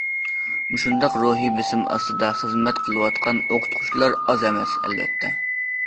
مۇشۇنداق روھىي بېسىم ئاستىدا خىزمەت قىلىۋاتقان ئوقۇتقۇچىلار ئاز ئەمەس، ئەلۋەتتە.